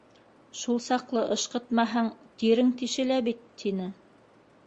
«Шул саҡлы ышҡытмаһаң, тирең тишелә бит!» - тине.